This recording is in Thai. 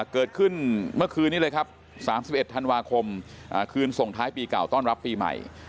เกิดขึ้นเมื่อคืนนี้เลยครับ๓๑ธันวาคมคืนส่งท้ายปีเก่าต้อนรับปีใหม่